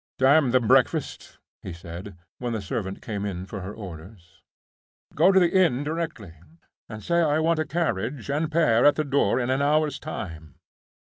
"Damn the breakfast!" he said, when the servant came in for her orders. "Go to the inn directly, and say I want a carriage and pair at the door in an hour's time."